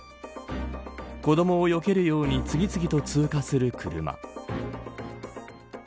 子どもをよけるように次々と通過する車。